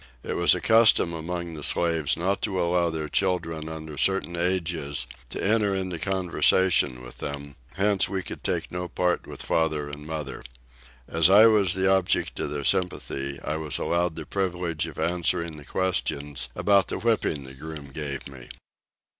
It was a custom among the slaves not to allow their children under certain ages to enter into conversation with them; hence we could take no part with father and mother. As I was the object of their sympathy, I was allowed the privilege of answering the questions about the whipping the groom gave me.